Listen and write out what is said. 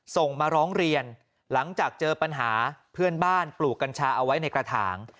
ส่งมาร้องเรียนหลังจากเจอปัญหาเพื่อนบ้านปลูกกัญชาเอาไว้ในกระถาง